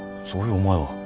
そういうお前は？